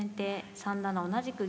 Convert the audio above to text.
３七同じく銀。